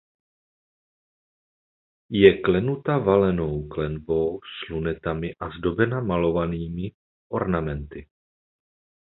Je zaklenuta valenou klenbou s lunetami a zdobena malovanými ornamenty.